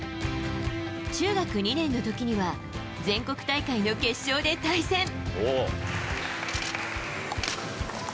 中学２年の時には全国大会の決勝で対戦。